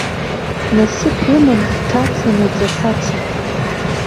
Насыԥ лыман дҭацанаҵ аҭаца.